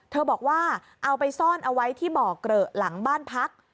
บอกว่าเอาไปซ่อนเอาไว้ที่บ่อเกลอะหลังบ้านพัก